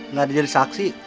nggak ada jadi saksi